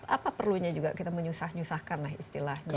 apa perlunya juga kita menyusah nyusahkan lah istilahnya